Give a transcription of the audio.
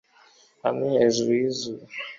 hamwe hejuru yizuru umunwa, ibyuya bitonyanga